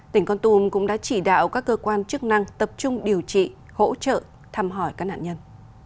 tỉnh con tum cũng đã chỉ đạo các cơ quan chức năng tập trung điều trị hỗ trợ thăm hỏi các nạn nhân